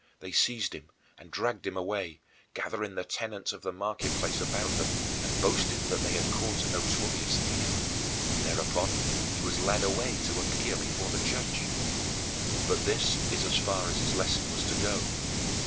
They seized him and dragged him away, gathering the tenants of the market place about them and boasting that they had caught a notorious thief. Thereupon he was led away to appear before the judge. 15. But this is as far as his lesson was to go.